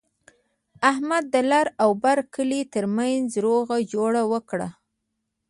احمد د لر او بر کلي ترمنځ روغه جوړه وکړله.